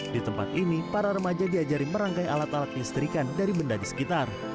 di tempat ini para remaja diajari merangkai alat alat listrikan dari benda di sekitar